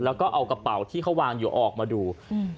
แล้วก็เอากระเป๋าที่เขาวางอยู่ออกมาดูอืม